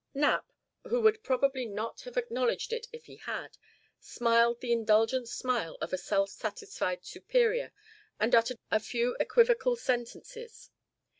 Knapp, who would probably not have acknowledged it if he had, smiled the indulgent smile of a self satisfied superior and uttered a few equivocal sentences.